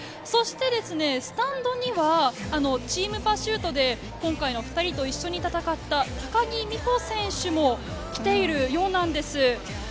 そしてスタンドにはチームパシュートで今回の２人と戦った高木美帆選手も来ているようなんです。